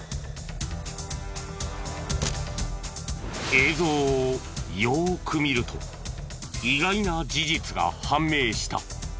映像をよーく見ると意外な事実が判明した。